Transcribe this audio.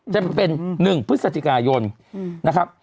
จะเป็น๑พฤศจิกายนนะครับ